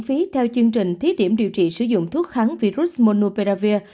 thuốc miễn phí theo chương trình thiết điểm điều trị sử dụng thuốc kháng virus monopiravir